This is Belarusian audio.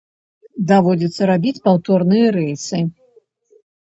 Даводзіцца рабіць паўторныя рэйсы.